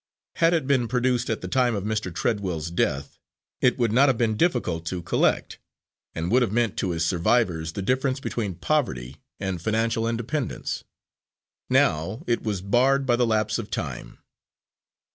Had it been produced at the time of Mr. Treadwell's death, it would not have been difficult to collect, and would have meant to his survivors the difference between poverty and financial independence. Now it was barred by the lapse of time.